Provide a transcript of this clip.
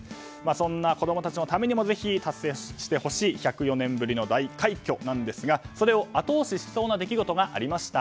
そんな子供のたちのためにもぜひ達成してほしい１０４年ぶりの大快挙ですがそれを後押ししそうな出来事がありました。